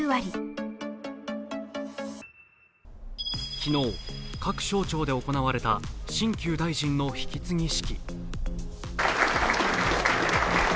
昨日、各省庁で行われた新旧大臣の引き継ぎ式。